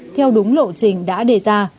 theo đúng lộ trình đã đề ra